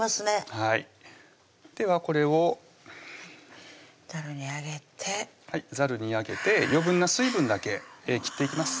はいではこれをざるに上げてざるに上げて余分な水分だけ切っていきます